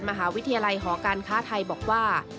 มหาวิทยาลัยหอการค้าไทยบอกว่า